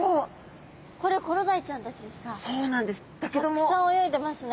たくさん泳いでますね。